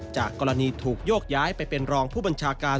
จากกรณีถูกโยกย้ายไปเป็นรองผู้บัญชาการ